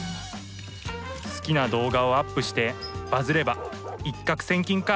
好きな動画をアップしてバズれば一獲千金かあ。